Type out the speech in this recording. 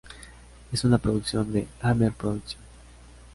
Es una producción de Hammer Productions.